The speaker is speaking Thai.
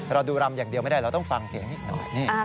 เราดูรำอย่างเดียวไม่ได้เราต้องฟังเสียงนิดหน่อย